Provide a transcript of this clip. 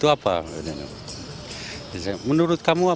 apa yang kamu pikirkan